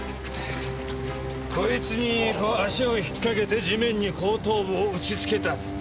こいつにこう足を引っ掛けて地面に後頭部を打ちつけた。